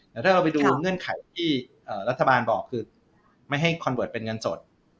แต่ถ้าเราไปดูเงื่อนไขที่รัฐบาลบอกคือไม่ให้คอนเบิร์ตเป็นเงินสด